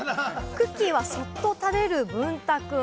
クッキーはそっと食べる、ぶんたくん。